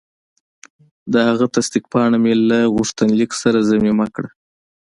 د هغه تصدیق پاڼه مې له غوښتنلیک سره ضمیمه کړه.